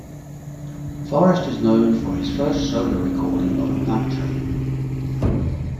Forrest is known for his first solo recording of "Night Train".